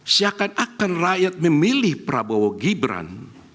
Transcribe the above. seakan akan rakyat memilih prabowo gibran